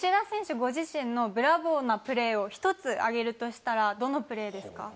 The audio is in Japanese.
ご自身のブラボーなプレーを１つ挙げるとしたら、どのプレーですか？